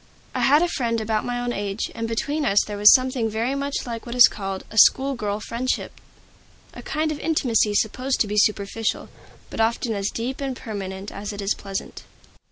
I had a friend about my own age, and between us there was something very much like what is called a "school girl friendship," a kind of intimacy supposed to be superficial, but often as deep and permanent as it is pleasant.